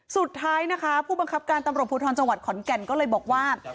สุดท้ายนะคะผู้บังคับการตำรวจภูทรจังหวัดขอนแก่นก็เลยบอกว่า